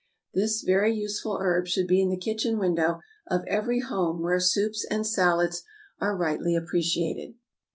This very useful herb should be in the kitchen window of every home where soups and salads are rightly appreciated.